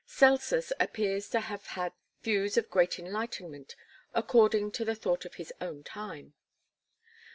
Celsus appears to have had views of great enlightenment according to the thought of his own time.